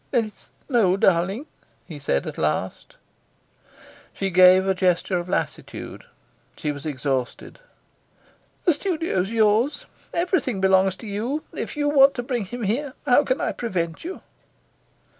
"Then it's No, darling?" he said at last. She gave a gesture of lassitude. She was exhausted. "The studio is yours. Everything belongs to you. If you want to bring him here, how can I prevent you?"